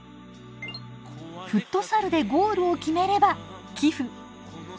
フットサルでゴールを決めれば寄付。